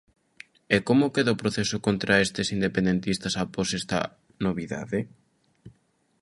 E como queda o proceso contra estes independentistas após esta novidade?